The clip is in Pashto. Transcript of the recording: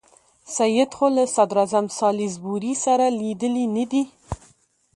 سید خو له صدراعظم سالیزبوري سره لیدلي نه دي.